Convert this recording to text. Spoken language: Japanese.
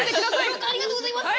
◆上官、ありがとうございます。